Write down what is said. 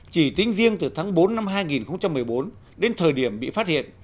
chỉ tính riêng từ tháng bốn năm hai nghìn một mươi bốn đến thời điểm bị phát hiện